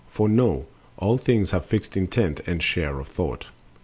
For know: All things have fixed intent and share of thought.